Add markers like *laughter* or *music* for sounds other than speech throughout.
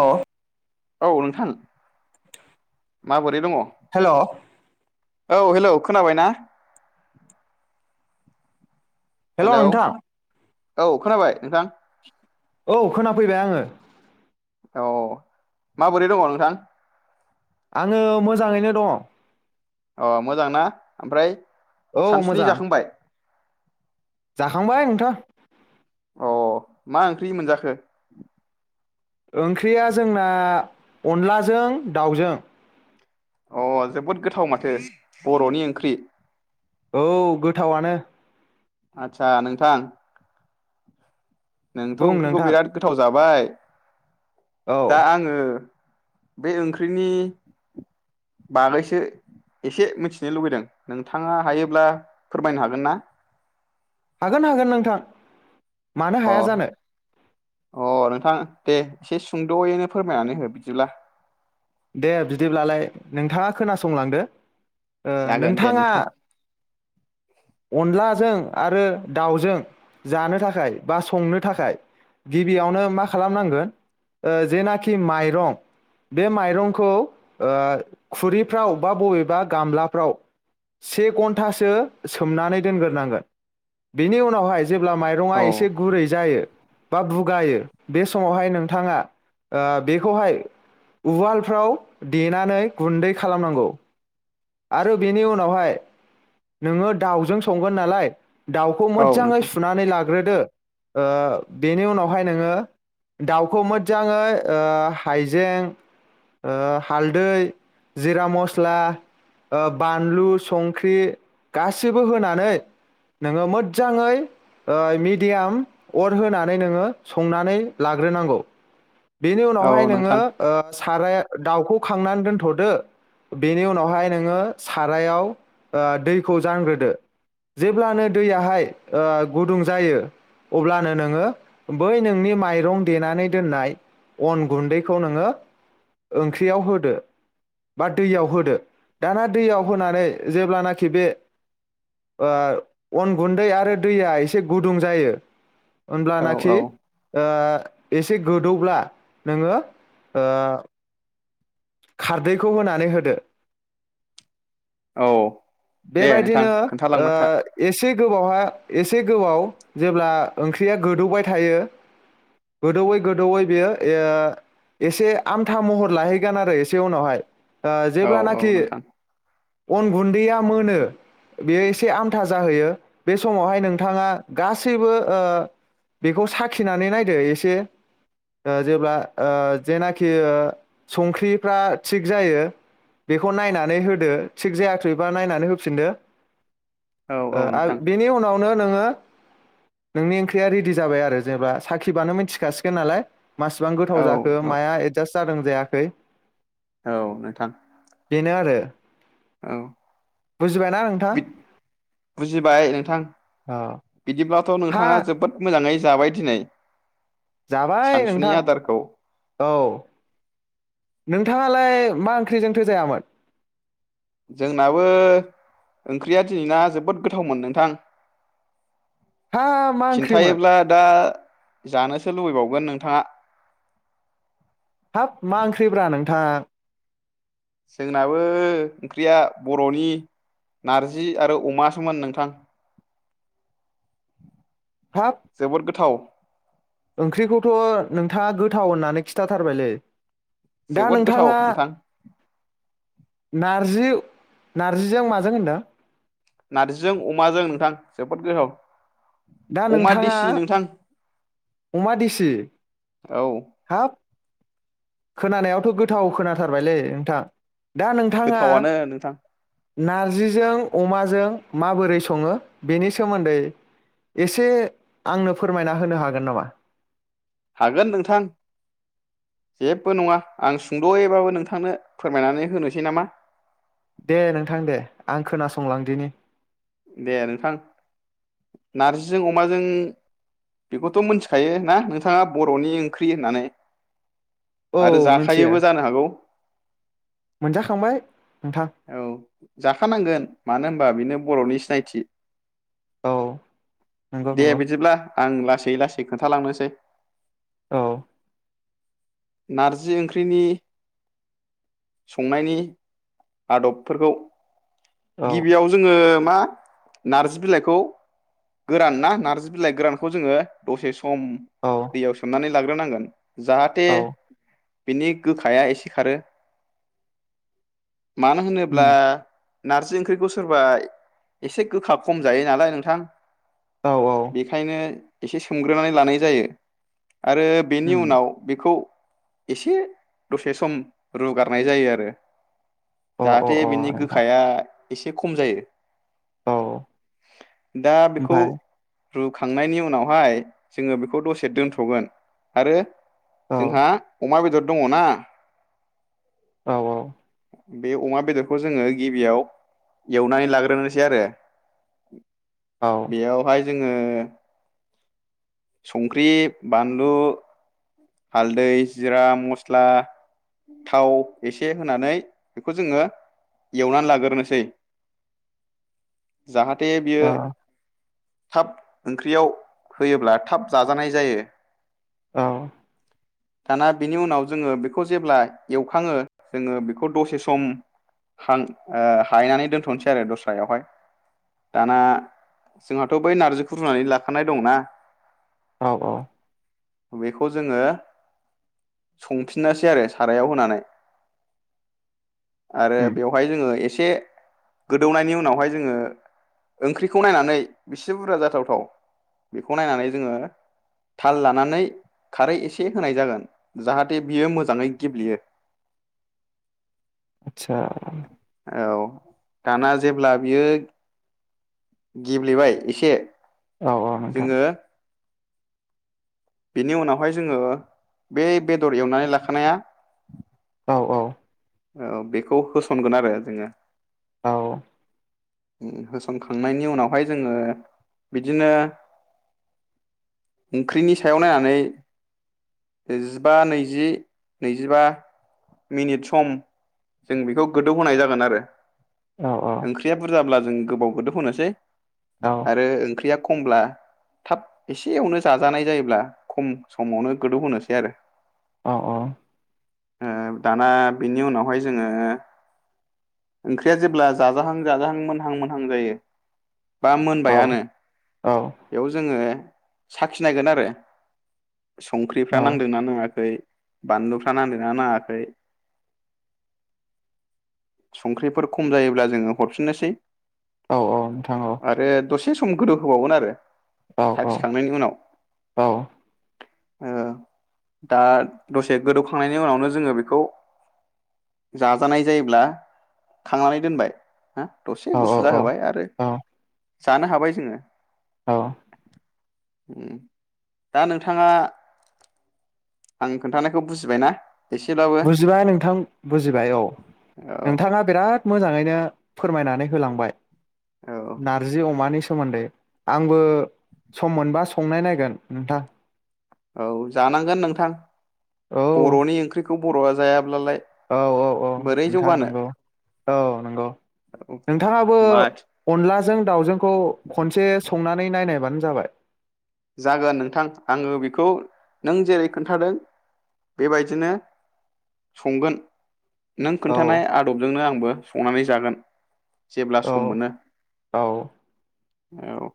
औ औ नोंथां माबोरै दङ? हेल' औ हेलौ खोनाबाय ना? हेलौ नोंथा औ खोनाबाय नोंथां? औ खोनाफैबाय आङो। औ माबोरै दङ नोंथां? आङो मोजाङैनो दङ। अ मोजां ना ओमफ्राय? औ सानसुनि मोजां जाखांबाय? जाखांबाय नोंथां। अ मा ओंख्रि मोनजाखो? ओंख्रिया जोंना अनलाजों दाउजों। अ जोबोद गोथाव माथो बर'नि ओंख्रि। औ गोथावानो। आदसा नोंथां नोंथ' बुं ओंख्रिखौ नोंथां बिराद गोथाव जाबाय। औ *inaudible* दा आङो बे ओंख्रिनि बागैसो एसे मिथिनो लुबैदों नोंथाङा हायोब्ला फोरमायनो हागोन ना? हागोन हागोन नोंथां। मानो अ हाया जानो। अ नोंथां दे एसे सुंद'यैनो फोरमायनानै हो बिदिब्ला। दे बिदिब्लालाय नोंथाङा खोनासंलांदो। ओ जागोन दे नोंथाङा नोंथां अनलाजों आरो दाउजों जानो थाखाय बा संनो थाखाय गिबियावनो मा खालामनांगोन ओ जेनाखि माइरं बे माइरंखौ ओ खुरिफ्राव बा बबेबा गामलाफ्राव से घन्टासो सोमनानै दोनग्रोनांगोन बेनि उनावहाय जेब्ला माइरङा औ एसे गुरै जायो बा बुगायो बे समावहाय नोंथाङा ओ बेखौहाय उवालफ्राव देनानै गुन्दै खालामनांगौ। आरो बेनि उनावहाय नोङो दाउजों संगोन नालाय दाउखौ औ मोजाङै नोंथां सुनानै लाग्रोदो। ओ बेनि उनावहाय नोङो दाउखौ मोजाङै ओ हायजें ओ हालदै जिरा मस्ला ओ बानलु संख्रि गासिबो होनानै नोङो मोजाङै मिडियाम अर होनानै नोङो संनानै लाग्रोनांगौ। बेनि औ उनावहाय नोङो नोंथां ओ साराया दाउखौ खांनानै दोनथ'दो बेनि उनावहाय नोङो सारायाव ओ दैखौ जानग्रोदो जेब्लानो दैयाहाय ओ गुदुं जायो अब्लानो नोङो बै नोंनि माइरं देनानै दोननाय अन गुन्दैखौ नोङो ओंख्रियाव होदो बा दैयाव होदो दाना दैयाव होनानै जेब्लानाखि बे ओ अन गुन्दै आरो दैया एसे गुदुं जायो। औ होनब्लानाखि औ ओ एसे गो दौब्ला नोङो ओ खारदैखौ होनानै होदो। औ दे नोंथां बेबायदिनो ओ खोन्थालांबाय था एसे गोबावहा एसे गोबाव जेब्ला ओंख्रिया गोदौबाय थायो गोदौैयै गोदौैयै बेयो एह एसे आमथा महर लाहैगोन आरो एसे उनावहाय ओ औ औ जेब्लानाखि नोंथां अन गुन्दैया मोनो बेयो एसे आमथा जाहोयो बे समावहाय नोंथाङा गासैबो ओ बेखौ साखिनानै नायदो एसे ओ जेब्ला ओ जेनाखि ओ संख्रि फ्रा थिग जायो बेखौ नायनानै होदो थिग जायाखैबा नायनानै होफिनदो। औ औ ओ-आ नोंथां बेनि उनावनो नोङो नोंनि ओंख्रिया रेडि जाबाय आरो जेनेबा साखिबानो मिथिखासिगोन नालाय। मासिबां गोथाव औ जाखो औ माया एदजास्ट जादों जाय है औ नोंथां। आरो औ बुजिबायना नोंथां बुजिबाय नोंथां औ बिदिब्ला खौ हा नोंथाङा जोबोद मोज *unintelligible* मोजाङै जाबाय दिनै। जाबाय सानसुनि नोंथां आदारखौ औ। नों नोंथाङालाय मा ओंख्रिजोंथो जायामोन? जोंनाबो ओंख्रिया दिनैना जोबोद गोथावमोन नोंथां। हा मा ओंख्रिमोन खिन्थायोब्ला दा जानोसो लुगैबावगोन नोंथाङा। हाब मा ओंख्रिब्रा नोंथां? जोंनाबो ओंख्रिया बर'नि नारजि आरो अमासोमोन नोंथां। हाब जोबोद गोथाव। ओंख्रिखौथ' नोंथाङा गोथाव होननानै खिथाथारबायलै। दा जोबोद गोथाव नोंथाङा नोंथां नारजि नारजिजों माजों होनदों? नार्जिजों अमाजों नोंथां जोबोद गोथाव। दा अमा नोंथाङा देसि नोंथां अमा देसि औ हाब खोनानायावथ' गोथाव खोनाथारबायलै नोंथां। दा नोंथाङा गोथावानो नोंथां नारजिजों अमाजों माबोरै सङो बेनि सोमोन्दै एसे आंनो फोरमायना होनो हागोन नामा? हागोन नोंथां जेबो नङा आं सुंद'यैबाबो नोंथांनो फोरमायनानै होनोसै नामा? दे नोंथां दे आं खोनासंलांदिनि। दे नोंथां नारजिजों अमाजों बेखौथ' मोनथिखायो ना नोंथाङा बर'नि ओंख्रि होननानै? औ आरो मिथियो जाखायोबो जानो हागौ मोनजाखांबाय नोंथां औ जाखानांगोन मानो होन बा बिनो बर'नि सिनायथि औ नंगौ दे नंगौ बिदिब्ला आं ला लासै लासै खोन्थालांनोसै। औ नारजि ओंख्रिनि संनायनि आदबफोरखौ औ गिबियाव जोङो मा नार्जि बिलाइखौ गोरान ना नार्जि बिलाइ गोरानखौ जोङो दसे सम औ दैयाव सोमनानै लाग्रोनांगोन। जाहाथे औ बिनि गोखाया एसे खारो। मानो होनोब्ला उम नारजि ओंख्रिखौ सोरबा एसे गोखा खम जायो नालाय नोंथां। औ औ बेखायनो एसे सोमग्रोनानै लानाय जायो। आरो बेनि उम उनाव बेखौ एसे दसे सम रुगारनाय जायो आरो। अ अ जाहाथे बिनि अ नोंथां गोखाया एसे खम जायो। औ दा बेखौ ओमफाय रुखांनायनि उनावहाय जोङो बेखौ दसे दोनथ'गोन आरो औ जोंहा अमा बेदर दङ ना औ औ बे अमा बेदरखौ जोङो गिबियाव एवनानै लाग्रोनो से आरो औ बेयावहाय जोङो संख्रि बानलु हालदै जिरा मस्ला थाव एसे होनानै बेखौ जोङो एवनानै लागोरनोसै। जाहाथे बियो औ थाब ओंख्रियाव होयोब्ला थाब जाजानाय जायो। औ दाना बिनि उनाव जोङो बेखौ जेब्ला एवखाङो जोङो बेखौ दसे सम हां-ओ हायनानै दोनथ'नोसै आरो दस्रायावहाय दाना जोंहाथ' बै नार्जिखौ रुनानै लाखानाय दंना औ औ बेखौ जोङो संफिननोसै आरो सारायाव होनानै। आरो उम बेवहाय जोङो एसे गोदौनायनि उनावहाय जोङो ओंख्रिखौ नायनानै बेसे बुरजा जाथावथाव बेखौ नायनानै जोङो थाल लानानै खारै एसे होनाय जागोन जाहाथे बियो मोजाङै गेब्लेयो। आच्छा औ दाना जेब्ला बियो गेब्लेबाय एसे। औ औ नोंथां। जोङो बेनि उनावहाय जोङो बे बेदर एवनानै लाखानाया औ औ औ औ बेखौ होसनगोन आरो जोङो। होसनखांनायनि उनावहाय जोङो बिदिनो ओंख्रिनि सायाव नायनानै जिबा नैजि नैजिबा मिनिट सम जों बेखौ गोदौहोनाय जागोन आरो। औ औ जाब्ला जों गोबाव गोदौहोनोसै। औ आरो ओंख्रिया खमब्ला थाब एसेयावनो जाजानाय जायोब्ला खम समावनो गोदौ होनोसै आरो। अ अ ओ दाना बिनि उनावहाय जोङो ओंख्रिया जेब्ला जाजाहां जाजाहां मोनहां मोनहां जायो। बा मोनबायानो औ बेयाव जोङो साखिनायगोन आरो। औ संख्रिफ्रा नांदोंना नाङाखै बानलुफ्रा नांदोंना नाङाखै संख्रिफोर खम जायोब्ला जोङो हरफिननोसै। औ नोंथां औ आरो दसे एसे सम गोदौ होबावगोन आरो। औ औ साखिखांनायनि उनाव औ ओ दा दसे गोदौखांनायनि उनावनो जोङो बेखौ जाजानाय जायोब्ला खांनानै दोनबाय। हा दसे औ गुसु औ जाहोबाय आरो जानो हाबाय जोङो दा नोंथाङा आं खोन्थानायखौ बुजिबाय ना? बुजिबाय नोंथां बुजिबाय औ औ नोंथाङा बिराद मोजाङैनो फोरमायनानै होलांबाय। औ नारजि अमानि सोमोन्दै आंबो सम मोनबा संनाय नायगोन नोंथां। औ जानांगोन नोंथां औ बर'नि ओंख्रिखौ खौ बर'आ जायाब्लाालाय औ औ औ नोंथां नंगौ औ नंगौ नोंथाङाबो मा अनला जों दाावजोंखौ खनसे संनानै नायनायबानो जाबाय जागोन नोंथां आङो बेखौ नों जेरै खोन्थादों बेबायदिनो संगोन। नों औ खोन्थानाय आदबजोंनो आंबो संनानै जागोन। जेब्ला सम मोनो औ औ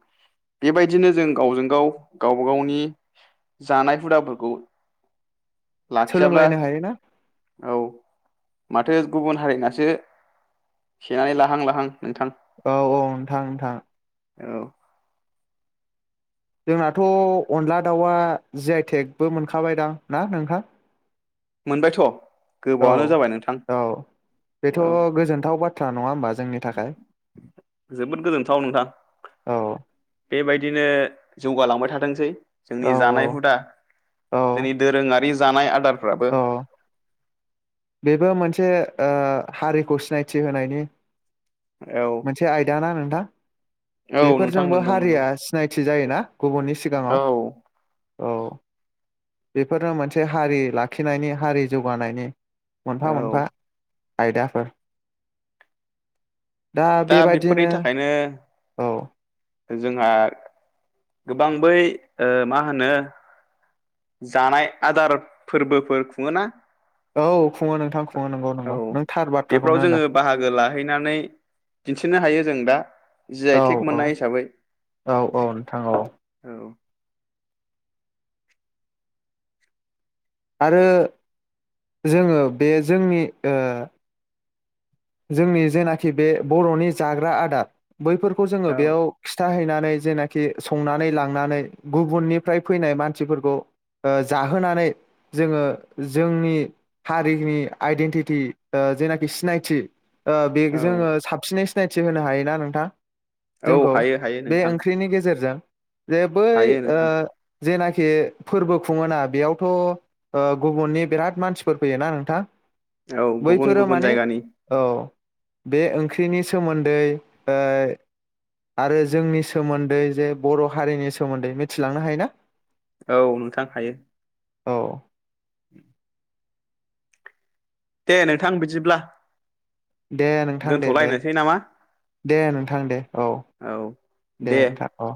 बेबायदिनो जों गावजों गाव गावबा गावनि जानाय हुदाफोरखौ लाखियाब्ला सोलोंलायनो हायोना औ माथो गुबुन हारिनासो सेनानै लाहां लाहां नोंथां। औ औ नोंथां नोंथां। औ जोंहाथ' अनला दाउआ जि आइ टेकबो मोनखाबायदां ना नोंथां? मोनबायथ' औ गोबावानो जाबाय नोंथां औ बेथ' औ गोजोनथाव बाथ्रा नङा होमबा? जोंनि थाखाय जोबोद गोजोनथाव नोंथां। औ बेबायदिनो जौगालांबाय थाथोंसै। जोंनि औ औ जानाय हुदा जोंनि दोरोङारि जानाय आदार अ बेबो मोनसे ओ हारिखौ सिनायथि होनायनि औ मोनसे आयदा ना नोंथां? हा औ नोंथां बेफोरजोंबो नंगौ नंगौ हारिया सिनायथि जायोना गुबुननि औ सिगाङाव औ बेफोरनो मोनसे हारि लाखिनायनि हारि जौगानायनि मोनफा औ मोनफा आयदाफोर दा बेफोरनि थाखायनो औ जोंहा गोबां बै ओ मा होनो जानाय आदार फोरबोफोर खुङोना औ खुङो नोंथां खुङो नंगौ औ नंगौ नों थार बेफोराव बाथ्राखौनो जोङो होनदों। खिनो हायो जों दा। जि औ आइ टेक औ मोननाय हिसाबै औ औ नोंथां औ औ आरो जोङो बे जोंनि ओ जोंनि जेनाखि बे बर'नि जाग्रा आदार बैफोरखौ जोङो औ बेयाव खिथाहैनानै जेनोखि संनानै लांनानै गुबुननिफ्राय फैनाय मानसिफोरखौ जाहोनानै जोङो जोंनि हारिनि आइडेेनटिटि ओ जेनाखि सिनायथि ओ बे औ जोङो साबसिनै सिनायथि होनो हायोना नोंथां? औ जोंखौ हायो हायो बे नोंथां ओंख्रिनि गेजेरजों जे बै हायो ओ नोंथां जेनाखि फोरबो खुङोना बेयावथ' ओ गुबुननि बिराद मानसिफोर फैयोना नोंथां? औ गुबुन बैफोरो गुबुन माने जायगानि औ बे ओंख्रिनि सोमोन्दै ओ आरो जोंनि सोमोन्दै जे बर' हारिनि सोमोन्दै मिथिलांनो हायो ना? औ नोंथां हायो। औ *inaudible* दे नोंथां बिदिब्ला। दे नोंथां दे दे दोनथ'लायनोसै नामा दे नोंथां दे औ दे नोंथां औ।